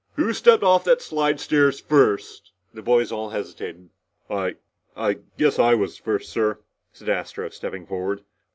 Who stepped off that slidestairs first?" The boys all hesitated. "I guess I was the first, sir," said Astro, stepping forward.